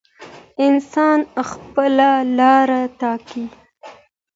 انسان خپله لاره ټاکي.